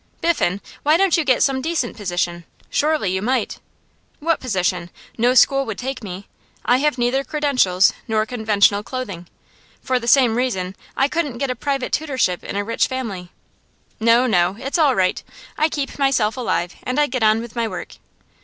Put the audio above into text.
'Biffen, why don't you get some decent position? Surely you might.' 'What position? No school would take me; I have neither credentials nor conventional clothing. For the same reason I couldn't get a private tutorship in a rich family. No, no; it's all right. I keep myself alive, and I get on with my work.